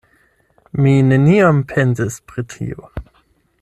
Mi neniam pensis pri tio.